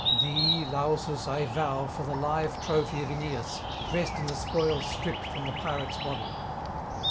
thee, Lausus, I vow for the live trophy of Aeneas, dressed in the spoils stripped from the pirate's body.'